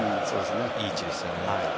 いい位置ですよね。